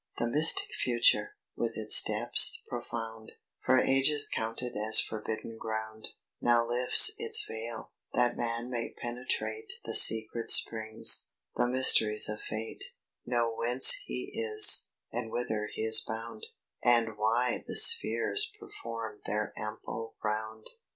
The mystic future, with its depths profound, For ages counted as forbidden ground, Now lifts its veil, that man may penetrate The secret springs, the mysteries of fate; Know whence he is, and whither he is bound, And why the spheres perform their ample round.